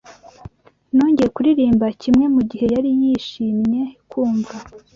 Nongeye kuririmba kimwe Mugihe yarize yishimye kumva